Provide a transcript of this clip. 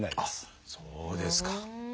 あっそうですか。